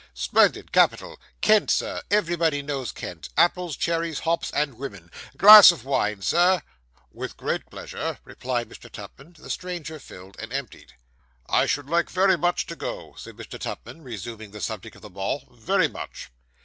'Splendid capital. Kent, sir everybody knows Kent apples, cherries, hops, and women. Glass of wine, Sir!' 'With great pleasure,' replied Mr. Tupman. The stranger filled, and emptied. 'I should very much like to go,' said Mr. Tupman, resuming the subject of the ball, 'very much.